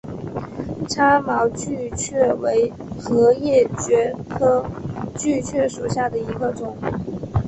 叉毛锯蕨为禾叶蕨科锯蕨属下的一个种。